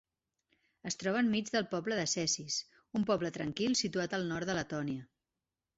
Es troba enmig del poble de Cesis un poble tranquil situat al nord de Letònia.